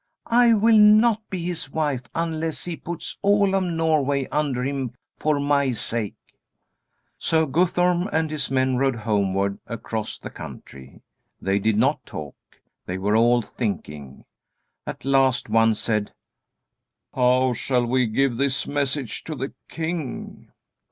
[Illustration: "I will not be his wife unless he puts all of Norway under him for my sake"] So Guthorm and his men rode homeward across the country. They did not talk. They were all thinking. At last one said: "How shall we give this message to the king?"